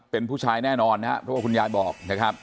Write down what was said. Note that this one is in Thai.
เป็นผู้ชายแน่นอนครับเพราะว่าคุณยายบอก